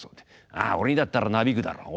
「ああ俺にだったらなびくだろう」